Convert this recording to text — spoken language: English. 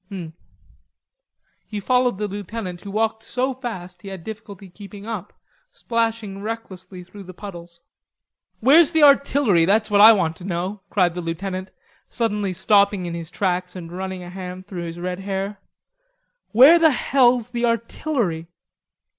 "Hum." He followed the lieutenant, who walked so fast he had difficulty keeping up, splashing recklessly through the puddles. "Where's the artillery? That's what I want to know," cried the lieutenant, suddenly stopping in his tracks and running a hand through his red hair. "Where the hell's the artillery?"